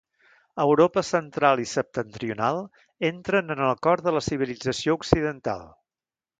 Europa Central i Septentrional entren en el cor de la civilització Occidental.